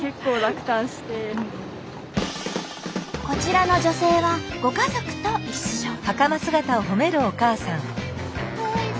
こちらの女性はご家族と一緒。